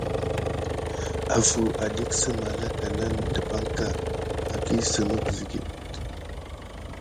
Afuw adek sə malaka nan depanka, akisəmek zəget.